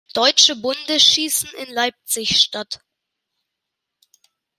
Deutsche Bundesschießen in Leipzig statt.